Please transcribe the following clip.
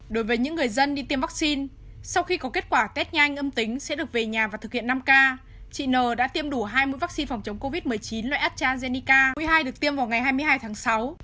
đối với những người dân đi tiêm vaccine sau khi có kết quả tết nhanh âm tính sẽ được về nhà và thực hiện năm k chị n đã tiêm đủ hai mũi vaccine phòng chống covid một mươi chín loại astrazeneca mũi hai được tiêm vào ngày hai mươi hai tháng sáu